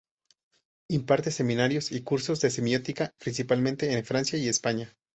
Imparte seminarios y cursos de semiótica, principalmente en Francia y España.